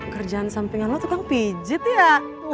kerjaan sampingan lo tuh kan pijet ya